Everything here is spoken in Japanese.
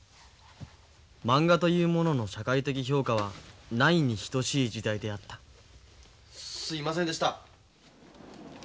まんがというものの社会的評価はないに等しい時代であったすみませんでした。